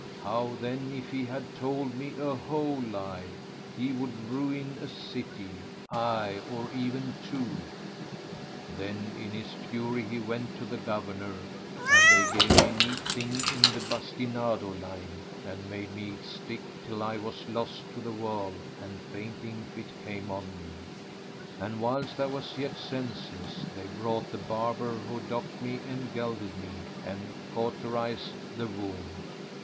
How, then, if he had told me a whole lie? He would ruin a city, aye or even two." Then in his fury he went to the Governor, and they gave me a neat thing in the bastinado line and made me eat stick till I was lost to the world and a fainting fit came on me; and, whilst I was yet senseless, they brought the barber who docked me and gelded me[FN#102] and cauterised the wound.